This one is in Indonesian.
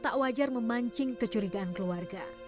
tak wajar memancing kecurigaan keluarga